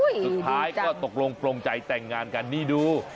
สุดท้ายก็ตกลงแต่งงานกันดีดู